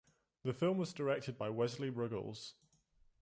The film was directed by Wesley Ruggles.